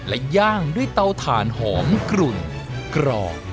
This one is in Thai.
และย่างด้วยเตาถ่านหอมกลุ่นกรอบ